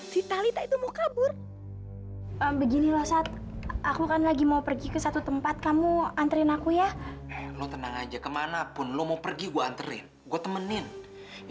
sampai jumpa di video selanjutnya